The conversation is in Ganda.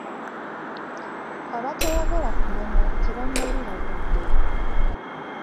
Abatayagala kumanya tebammalira budde.